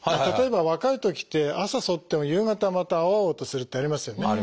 例えば若いときって朝そっても夕方また青々とするってありますよね。